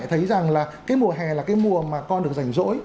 thấy rằng là cái mùa hè là cái mùa mà con được dành dỗi